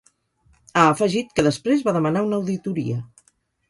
Ha afegit que després va demanar una auditoria.